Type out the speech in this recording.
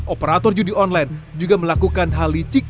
operator judi online juga melakukan hal licik